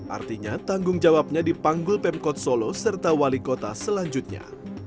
artinya tanggung jawabnya dipanggul pemkot solo serta wali kota selanjutnya